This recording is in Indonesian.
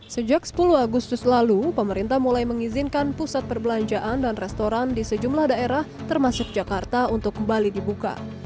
sejak sepuluh agustus lalu pemerintah mulai mengizinkan pusat perbelanjaan dan restoran di sejumlah daerah termasuk jakarta untuk kembali dibuka